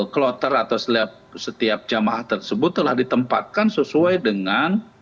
kloter atau setiap jemaah tersebut telah ditempatkan sesuai dengan